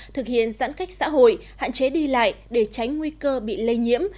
thực hiện giãn cách xã hội hạn chế đi lại để tránh nguy cơ bị lây nhiễm